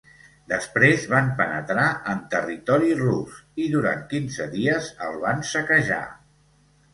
Després van penetrar en territori rus i durant quinze dies el van saquejar.